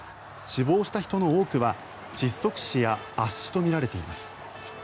死亡した人の多くは窒息死や圧死とみられています。